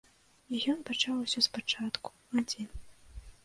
І ён пачаў усё спачатку, адзін.